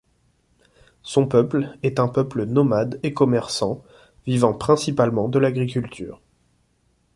Son peuple est un peuple nomade et commerçant, vivant principalement de l'agriculture.